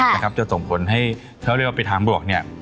ค่ะนะครับจะส่งผลให้เขาเรียกว่าเป็นทางบวกเนี้ย